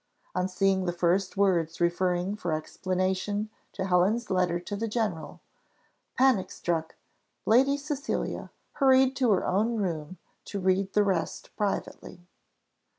On seeing the first words referring for explanation to Helen's letter to the general, panic struck, Lady Cecilia hurried to her own room to read the rest privately.